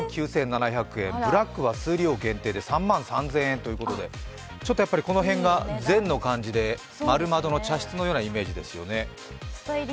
ブラックは数量限定で３万３０００円ということでこの辺が禅の感じで丸窓の茶室みたいな感じですよね。